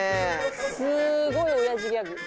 すごいおやじギャグ。